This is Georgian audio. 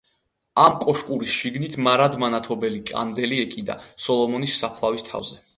ამ კოშკურის შიგნით მარად მანათობელი კანდელი ეკიდა სოლომონის საფლავის თავზე.